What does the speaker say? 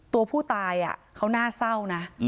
ตัวผู้ตายเขาน่าเศร้านะ